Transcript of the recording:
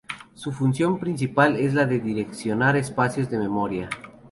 Su función principal es la de direccionar espacios de memoria.